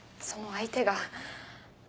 その相手が。